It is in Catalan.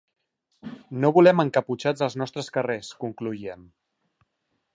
No volem encaputxats als nostres carrers, concloïen.